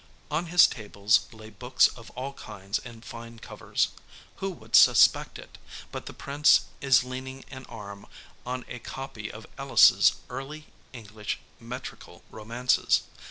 On his tables lay books of all kinds in fine covers. Who would suspect it? but the Prince is leaning an arm on a copy of Ellis's 'Early English Metrical Romances.'